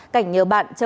cảnh nhớ bạn trở lại